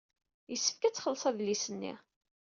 Yessefk ad txelleṣ adlis-nni.